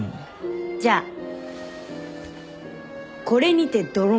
じゃあこれにてドロン。